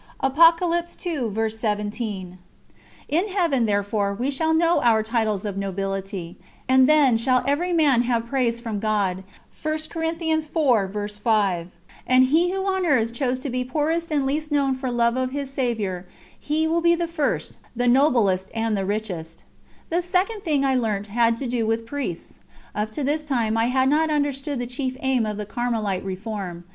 " In Heaven, therefore, we shall know our titles of nobility, and "then shall every man have praise from God," and he who on earth chose to be poorest and least known for love of his Saviour, he will be the first, the noblest, and the richest. The second thing I learnt had to do with Priests. Up to this time I had not understood the chief aim of the Carmelite Reform.